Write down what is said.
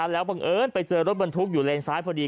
แล้วบังเอิญไปเจอรถบรรทุกอยู่เลนซ้ายพอดี